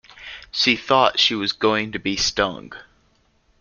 She thought she was going to be stung.